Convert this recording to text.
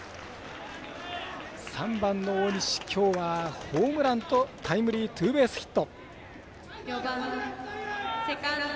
３番の大西、きょうはホームランとタイムリーツーベースヒット。